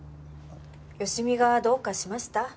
好美がどうかしました？